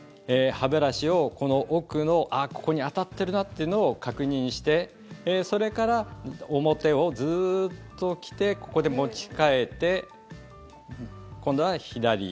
歯ブラシをこの奥のここに当たっているなというのを確認してそれから表をずっと来てここで持ち替えて、今度は左。